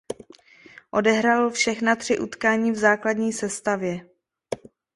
Odehrál všechna tři utkání v základní sestavě.